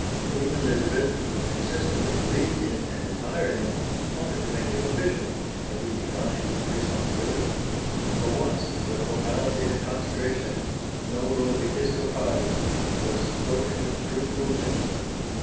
Queen Elizabeth, who consistently believed in and admired him, wanted to make him a bishop, but he declined the responsibility. For once the formality at consecration: "Nolo Episcopari" was spoken with truthful lips.